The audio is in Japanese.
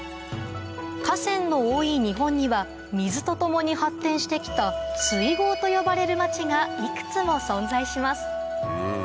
河川の多い日本には水と共に発展して来た「水郷」と呼ばれる町がいくつも存在します